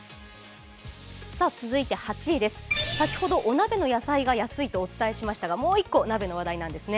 続いて８位です、先ほど、お鍋の野菜が安いとお伝えしましたがもう１個鍋の話題なんですね。